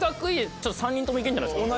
ちょっと３人ともいけるんじゃないですか？